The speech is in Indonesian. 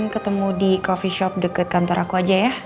ketemu di coffee shop dekat kantor aku aja ya